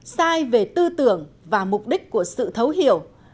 sai về tư tưởng và mục đích của sự thấu hiểu